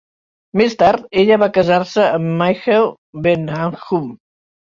Més tard, ella va casar-se amb Michael Bennahum.